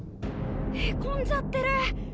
へこんじゃってる！